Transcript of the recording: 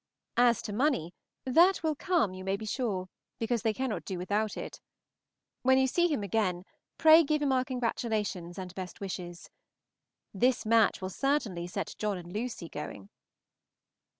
As to money, that will come, you may be sure, because they cannot do without it. When you see him again, pray give him our congratulations and best wishes. This match will certainly set John and Lucy going.